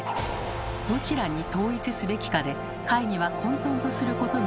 どちらに統一すべきかで会議は混沌とすることになるのです。